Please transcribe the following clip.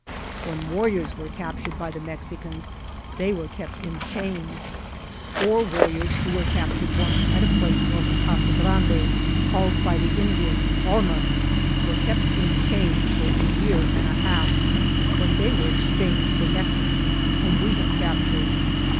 When warriors were captured by the Mexicans they were kept in chains. Four warriors who were captured once at a place north of Casa Grande, called by the Indians "Honas," were kept in chains for a year and a half, when they were exchanged for Mexicans whom we had captured.